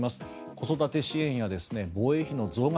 子育て支援や防衛費の増額